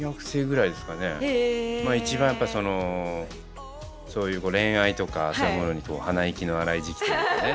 一番やっぱそのそういう恋愛とかそういうものに鼻息の荒い時期。